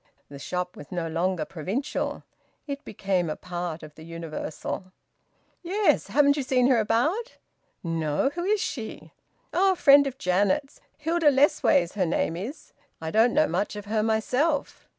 The shop was no longer provincial; it became a part of the universal. "Yes. Haven't you seen her about?" "No. Who is she?" "Oh! Friend of Janet's. Hilda Lessways, her name is. I don't know much of her myself."